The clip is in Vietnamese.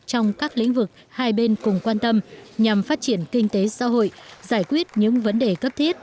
trong các lĩnh vực hai bên cùng quan tâm nhằm phát triển kinh tế xã hội giải quyết những vấn đề cấp thiết